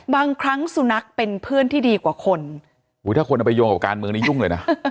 บางครั้งสุนัขเป็นเพื่อนที่ดีกว่าคนอุ้ยถ้าคนเอาไปโยงกับการเมืองนี้ยุ่งเลยนะ